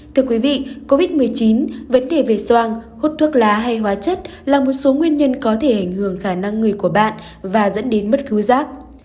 thưa quý vị covid một mươi chín vấn đề về soang hút thuốc lá hay hóa chất là một số nguyên nhân có thể ảnh hưởng khả năng người của bạn và dẫn đến mất thú giác